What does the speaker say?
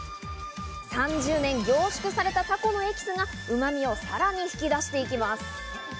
３０年凝縮された、タコのエキスがうまみをさらに引き出していきます。